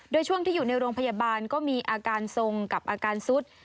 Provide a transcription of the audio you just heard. โดยช่วงที่อยู่ในโรงพยาบาลก็มีอาการทรงกับอาการสุด